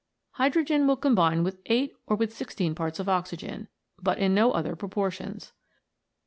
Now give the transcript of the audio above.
Hydrogen will combine with eight or with sixteen parts of oxygen, but in no other proportions.